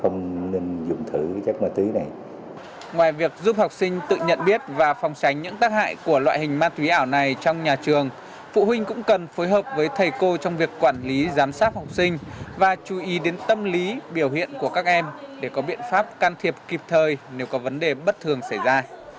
ngoài việc giúp học sinh tự nhận biết và phòng tránh những tác hại của loại hình ma túy ảo này trong nhà trường phụ huynh cũng cần phối hợp với thầy cô trong việc quản lý giám sát học sinh và chú ý đến tâm lý biểu hiện của các em để có biện pháp can thiệp kịp thời nếu có vấn đề bất thường xảy ra